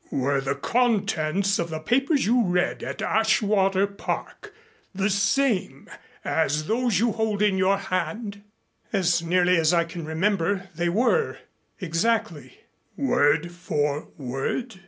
"Were the contents of the papers you read at Ashwater Park the same as those you hold in your hand?" "As nearly as I can remember, they were, exactly." "Word for word?"